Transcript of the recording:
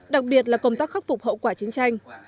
đặc biệt là công tác khắc phục hậu quả chiến tranh